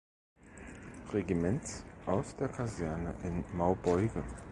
Regiments aus der Kaserne in Maubeuge.